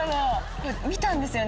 見たんですよね